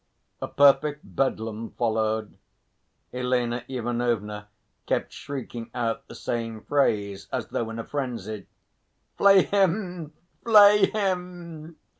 A perfect Bedlam followed. Elena Ivanovna kept shrieking out the same phrase, as though in a frenzy, "Flay him! flay him!"